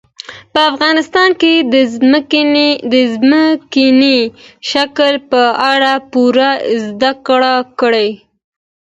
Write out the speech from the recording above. په افغانستان کې د ځمکني شکل په اړه پوره زده کړه کېږي.